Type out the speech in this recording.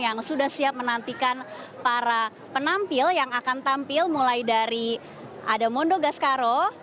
yang sudah siap menantikan para penampil yang akan tampil mulai dari ada mondo gascaro